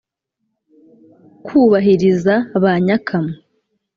kubahiriza ba nyakamwe: